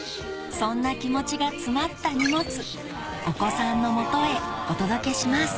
そんな気持ちが詰まった荷物お子さんのもとへお届けします